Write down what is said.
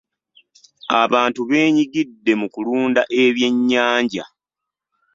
Abantu beenyigidde mu kulunda ebyennyanja.